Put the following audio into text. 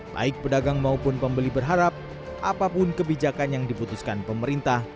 baik pedagang maupun pembeli berharap apapun kebijakan yang diputuskan pemerintah